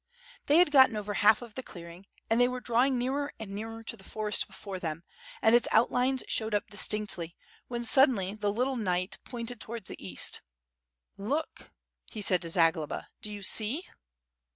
They had gotten over half of the clearing, and they were drawing nearer and nearer to the forest before them, and its outlines showed up distinctly, when suddenly the little knight pointed towards the east. "Look!" said he to Zagloba, "do you see?"